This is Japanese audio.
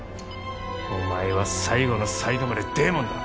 お前は最後の最後までデイモンだ！